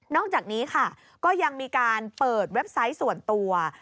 อกจากนี้ค่ะก็ยังมีการเปิดเว็บไซต์ส่วนตัว